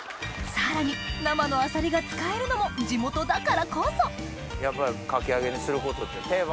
さらに生のあさりが使えるのも地元だからこそやっぱりかき揚げにすることって定番？